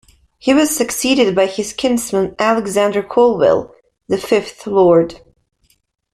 He was succeeded by his kinsman Alexander Colvill, the fifth Lord.